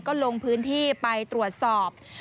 ก็ลงพื้นที่ไปตรวจสอบ